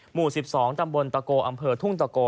หมู่๑๒ตำบลตะโกอำเภอทุ่งตะโก